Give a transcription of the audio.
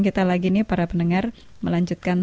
kota sion yang terindah